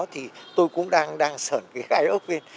thì tôi cũng đang sởn cái gái ốc lên